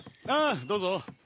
ああどうぞ。